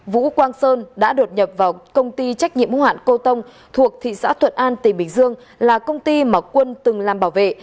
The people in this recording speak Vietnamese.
vũ quang sơn đã đột nhập vào công ty trách nhiệm hữu hạn cô tông thuộc thị xã thuận an tỉnh bình dương là công ty mà quân từng làm bảo vệ